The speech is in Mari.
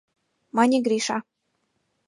— мане Гриша.